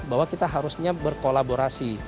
bahwa kita harusnya berkolaborasi